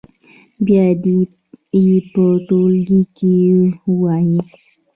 بیا دې یې په ټولګي کې ووايي.